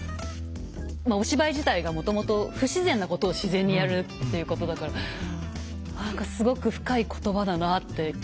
お芝居自体がもともと不自然なことを自然にやるっていうことだから何かすごく深い言葉だなって。